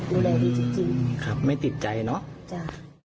ดูแลดีจริงครับไม่ติดใจเนอะจ้ะ